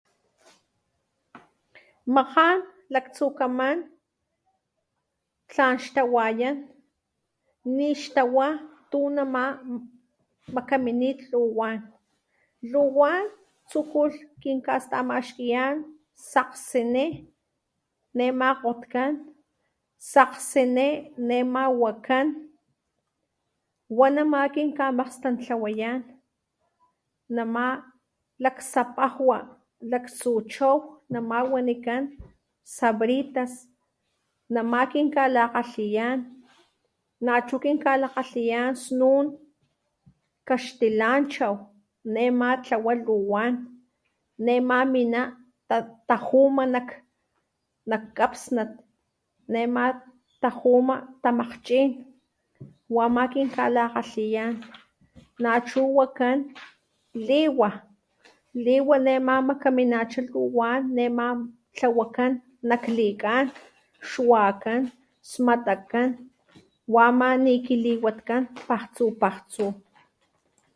Makán laktsu kaman tlan ixtawayán, ni ixtawá tunamá makaminit luwan, luwán tsukulh kin kastamaxkiyán saksiní ne ma kotkán saksiní ne ma wakán, wanamá kin kamakgstantlawayán namá laksapajua laktsu chaw wanikán sabritas namá , kin kalakgalhiyán, nachú kin kalakgalhiyá snun kaxtilanchaw ne má tlawalá luwán ne má miná tajuma nak nak kapsnat ne ma tajuna tamakgchin, wa ma kin kalakallhiyán, nachú wakán liw, liwa ne ma makaminachá luwan ne ma tlawakán nak likán xuakán, smtakkán wamá ni kiliwatkán pajtsu pajtsu.